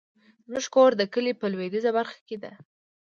زمونږ کور د کلي په لويديځه برخه کې ده